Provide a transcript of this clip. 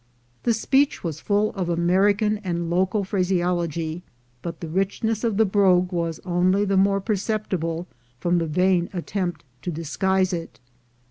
The speech was full of American and local phraseol og>', but the richness of the brogue was only the more perceptible from the vain attempt to disguise It.